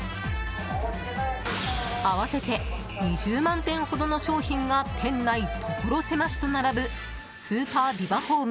合わせて２０万点ほどの商品が店内ところ狭しと並ぶスーパービバホーム